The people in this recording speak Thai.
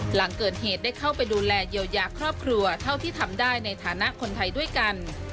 หลังเกิดเหตุได้เข้าไปดูแลเยียวยาครอบครัวเท่าที่ทำได้ในฐานะคนไทยด้วยกัน